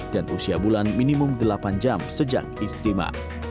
dan usia bulan minimum delapan jam sejak istimewa